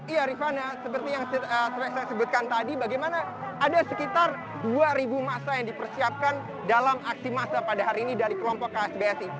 iya rifana seperti yang saya sebutkan tadi bagaimana ada sekitar dua masa yang dipersiapkan dalam aksi masa pada hari ini dari kelompok ksbsi